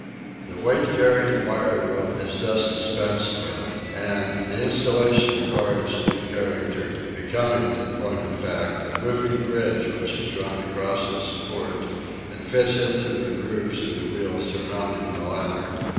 The weight carrying wire rope is thus dispensed with, and the installation acquires a new character, becoming, in point of fact, a moving bridge which is drawn across its supports and fits into the grooves in the wheels surmounting the latter.